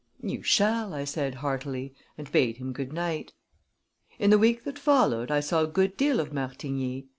"You shall," I said heartily, and bade him good night. In the week that followed, I saw a good deal of Martigny.